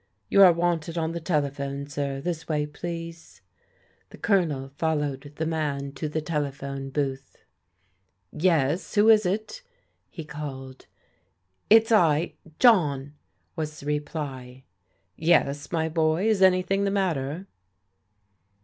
"You are wanted on the telephone, sir. This way, please." The Colonel followed the man to the telephone booth. " Yes, who is it ?" he called. It's I — John," was the reply. TREVOR TRELAWNBT U7 "Yes, my boy. Is anything the matter?"